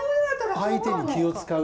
相手に気を遣う。